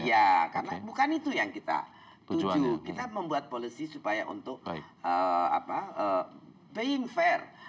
iya karena bukan itu yang kita tuju kita membuat polisi supaya untuk paying fair